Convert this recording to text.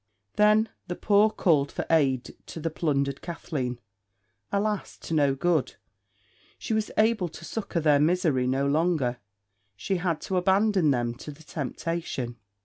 Then the poor called for aid to the plundered Kathleen, alas, to no good: she was able to succour their misery no longer; she had to abandon them to the temptation.